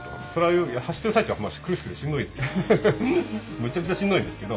むちゃくちゃしんどいんですけど